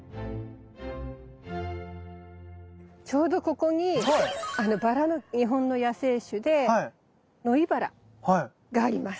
ちょうどここにバラの日本の野生種でノイバラがあります。